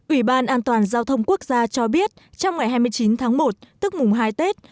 ủy ban an toàn giao thông quốc gia cho biết trong ngày hai mươi chín tháng một tức mùng hai tết